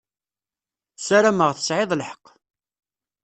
Sarameɣ tesεiḍ lḥeqq.